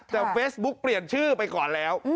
แต่เฟซบุ๊กเปลี่ยนชื่อไปก่อนแล้ว